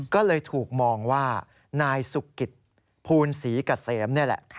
ก็เลยถูกมองว่านายสุกิตภูลศรีเกษมนี่แหละ